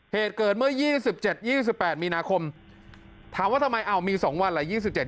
เหตุเกิดเมื่อ๒๗๒๘มีนาคมถามว่าทำไมอ้าวมี๒วันเหล่ะ๒๗๒๘